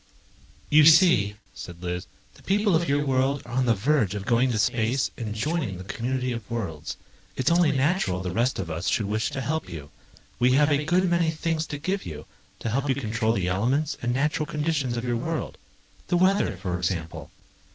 "You see," said Liz, "the people of your world are on the verge of going to space and joining the community of worlds. It's only natural the rest of us should wish to help you. We have a good many things to give you, to help you control the elements and natural conditions of your world. The weather, for example